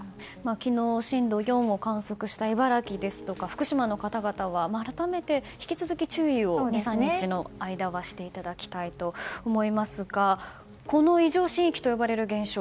昨日、震度４を観測した茨城や福島の方々は改めて、引き続き注意を２３日の間はしていただきたいと思いますがこの異常震域と呼ばれる現象。